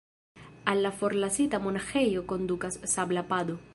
Al la forlasita monaĥejo kondukas sabla pado.